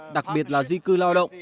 đặc biệt là di cư lao động